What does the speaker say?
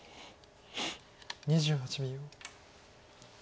２８秒。